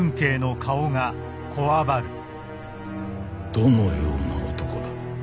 どのような男だ？